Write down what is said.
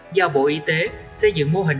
do bộ y tế xây dựng mô hình